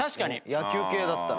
野球系だったら。